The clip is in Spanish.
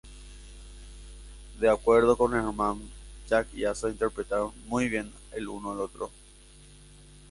De acuerdo con Herman: "Jack y Asa interpretaron muy bien el uno al otro".